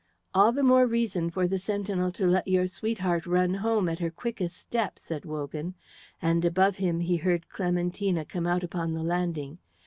"All the more reason for the sentinel to let your sweetheart run home at her quickest step," said Wogan, and above him he heard Clementina come out upon the landing.